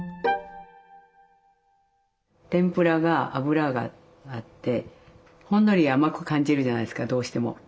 天ぷらが油があってほんのり甘く感じるじゃないですかどうしても。